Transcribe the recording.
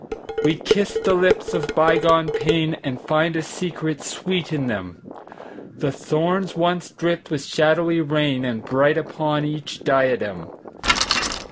We kiss the lips of bygone painAnd find a secret sweet in them:The thorns once dripped with shadowy rainAre bright upon each diadem.